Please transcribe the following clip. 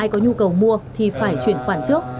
có nhu cầu mua thì phải chuyển khoản trước